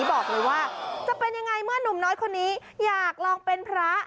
บอกเลยว่าจะเป็นยังไงเมื่อนุ่มน้อยคนนี้อยากลองเป็นพระ